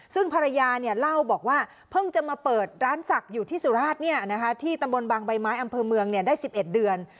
ซึ่งภรรยาเล่าบอกว่าเพิ่งจะมาเปิดร้านศักดิ์อยู่ที่สุราชที่ตำบลบางใบไม้อำเภอเมืองได้๑๑เดือน